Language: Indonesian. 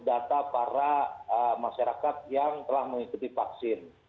data para masyarakat yang telah mengikuti vaksin